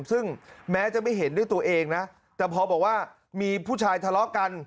ซึ่งแม้จะไม่เห็นด้วยตัวเองนะแต่พอบอกว่ามีผู้ชายทะเลาะกัน